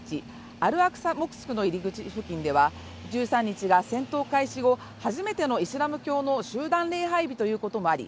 アルアクサ・モスクの入り口付近では１３日が戦闘開始後初めてのイスラム教の集団礼拝日ということもあり